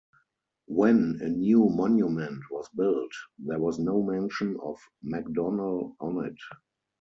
When a new monument was built, there was no mention of Macdonell on it.